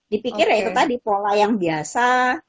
dipikir ya itu tadi pola yang biasa